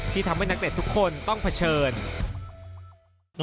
ที่ทำให้นักเตะทุกคนต้องเผชิญ